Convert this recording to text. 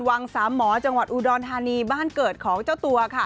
วังสามหมอจังหวัดอุดรธานีบ้านเกิดของเจ้าตัวค่ะ